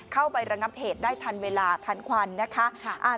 ระงับเหตุได้ทันเวลาทันควันนะคะ